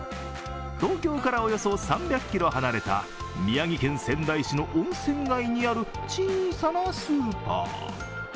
東京からおよそ３００ｋｍ離れた宮城県仙台市の温泉街にある小さなスーパー。